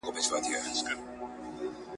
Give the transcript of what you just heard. استاد بسم الله خان معلومات راکړي ول.